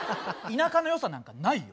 田舎の良さなんかないよ。